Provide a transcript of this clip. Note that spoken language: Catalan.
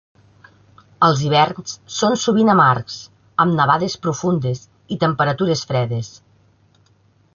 Els hiverns són sovint amargs amb nevades profundes i temperatures fredes.